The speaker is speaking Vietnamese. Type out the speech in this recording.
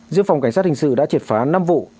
riêng phòng cảnh sát hình sự đã triệt phá năm vụ